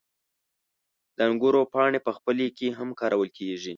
• د انګورو پاڼې په پخلي کې هم کارول کېږي.